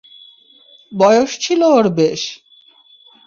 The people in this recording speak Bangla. বয়স ছিল ওর বেশ।